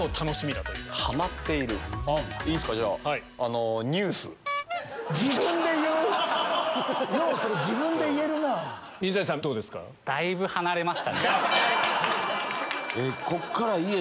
だいぶ離れましたね。